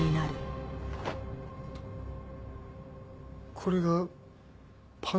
これがパンサー？